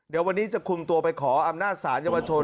เดี๋ยววันนี้จะคุมตัวไปขออำนาจศาลเยาวชน